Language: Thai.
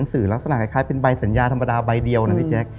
สื่อลักษณะคล้ายเป็นใบสัญญาธรรมดาใบเดียวนะพี่แจ๊ค